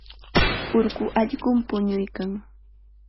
Urqu allqum puñuykan.